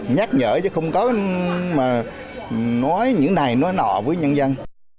nhắc nhở chứ không có mà nói những này nói nọ với nhân dân